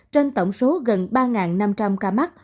trên tổng số gần ba năm trăm linh ca mắc